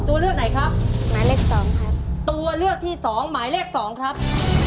ตัวเลือกไหนครับหมายเลขสองครับตัวเลือกที่สองหมายเลขสองครับ